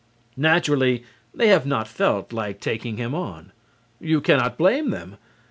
Naturally, they have not felt like taking him on. You cannot blame them.